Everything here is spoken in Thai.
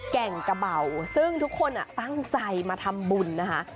แก่งกระเบาซึ่งทุกคนตั้งใจมาทำบุญนะคะ